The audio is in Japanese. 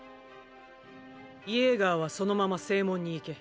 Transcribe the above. イェーガーはそのまま正門に行け。